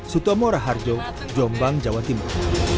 sutomo raharjo jombang jawa timur